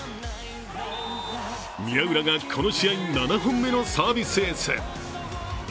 宮浦がこの試合、７本目のサービスエース。